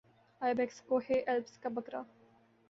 آئی backs کوہ Alps کا بکرا